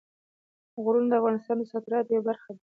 غرونه د افغانستان د صادراتو برخه ده.